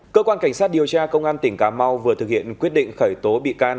cơ quan cảnh sát điều tra công an tỉnh cà mau vừa thực hiện quyết định khởi tố bị can